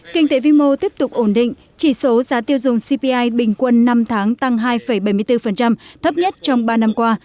kinh tế vi mô tiếp tục ổn định chỉ số giá tiêu dùng cpi bình quân năm tháng tăng hai bảy mươi bốn thấp nhất trong ba năm qua